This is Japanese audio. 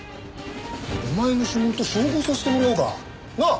お前の指紋と照合させてもらおうか。なあ？